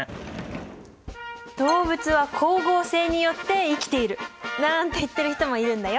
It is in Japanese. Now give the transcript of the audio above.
「動物は光合成によって生きている」なんて言ってる人もいるんだよ。